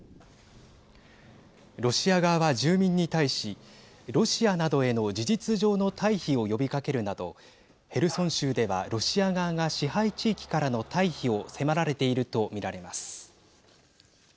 ロシア側は住民に対しロシアなどへの事実上の退避を呼びかけるなどヘルソン州ではロシア側が支配地域からの退避を迫られていると見られます。